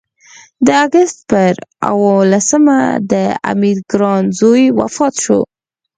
د اګست پر اووه لسمه د امیر ګران زوی وفات شو.